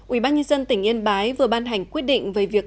ubnd tỉnh yên bái vừa ban hành quyết định về việc